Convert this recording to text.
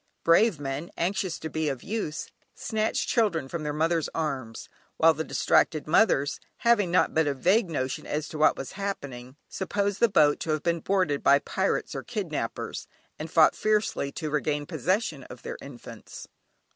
Brave men, anxious to be of use, snatched children from their mothers' arms, while the distracted mothers, having but a vague notion as to what was happening, supposed the boat to have been boarded by pirates or kidnappers, and fought fiercely to regain possession of their infants.